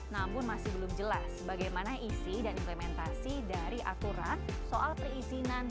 namun masih belum jelas bagaimana isi dan implementasi dari aturan soal perizinan